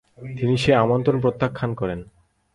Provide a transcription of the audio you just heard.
তিনি সেই আমন্ত্রণ প্রত্যাখান করেন।